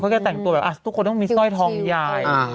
เขาก็จะแต่งตัวเป็นทุกคนต้องมีส้อยทองยาย